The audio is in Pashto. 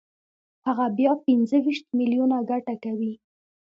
هغه بیا پنځه ویشت میلیونه ګټه کوي